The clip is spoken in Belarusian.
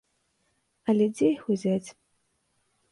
Але дзе іх узяць?